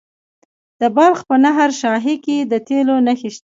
د بلخ په نهر شاهي کې د تیلو نښې شته.